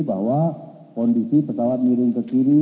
bahwa kondisi pesawat miring ke kiri